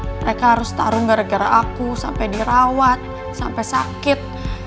mereka harus tarung gara gara aku sampai dirawat sampai sakit